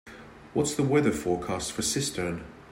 What is the weather forecast for Cistern